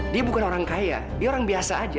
dia bukan orang kaya dia orang biasa aja